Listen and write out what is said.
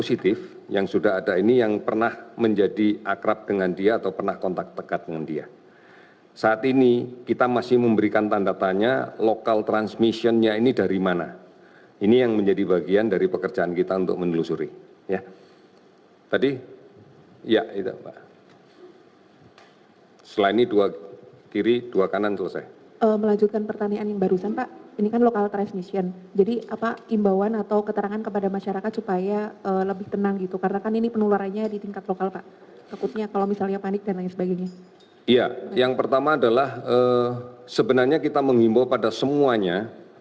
iya yang pertama adalah sebenarnya kita menghimpau pada semuanya